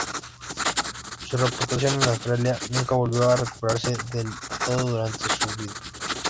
Su reputación en Australia nunca volvió a recuperarse del todo durante su vida.